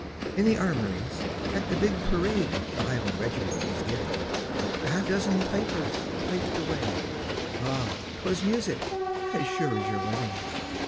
In the armories, at the big parade The highland regiment was giving, A half dozen pipers piping away Ah! 'twas music, as sure as your living.